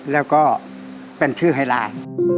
แล้วก็เป็นชื่อไฮไลน์